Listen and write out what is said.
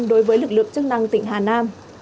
đối với lực lượng chức năng tỉnh hà nam